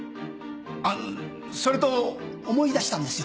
あっそれと思い出したんですよ。